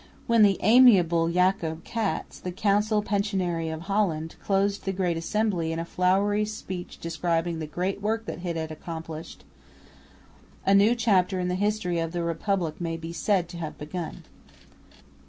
When the amiable Jacob Cats, the Council Pensionary of Holland, closed the Great Assembly in a flowery speech describing the great work that it had accomplished, a new chapter in the history of the republic may be said to have begun.